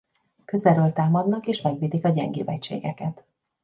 Közelről támadnak és megvédik a gyengébb egységeket.